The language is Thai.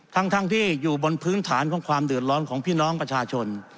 ทั้งที่อยู่บนพื้นฐานของความเดือดร้อนของพี่น้องประชาชน